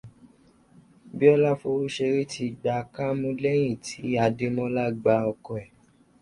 Bíọ́lá Fowóṣeré ti gba kámú lẹ́yìn tí Adémọ́lá gba ọkọ̀ ẹ̀